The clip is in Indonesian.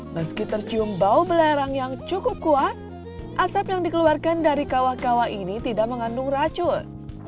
meski tercium bau belerang yang cukup kuat asap yang dikeluarkan dari kawah kawah ini tidak mengandung racun